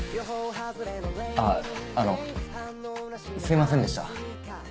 あっあのすいませんでした。